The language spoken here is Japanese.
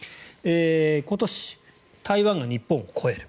今年、台湾が日本を超える。